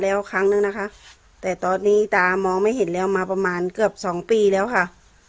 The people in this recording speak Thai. แล้วครั้งนึงนะคะแต่ตอนนี้ตามองไม่เห็นแล้วมาประมาณเกือบสองปีแล้วค่ะ